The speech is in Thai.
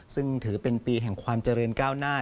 ซึ่งถือเป็นปีแห่งความเจริญก้าวหน้า